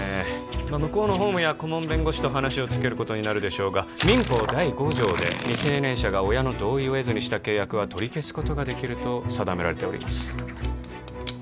まあ向こうの法務や顧問弁護士と話をつけることになるでしょうが民法第５条で未成年者が親の同意を得ずにした契約は取り消すことができると定められております